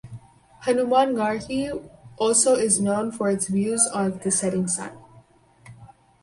Hanuman Garhi also is known for its views of the setting sun.